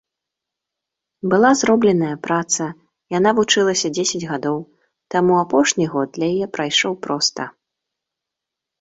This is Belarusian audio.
Была зробленая праца, яна вучылася дзесяць гадоў, таму апошні год для яе прайшоў проста.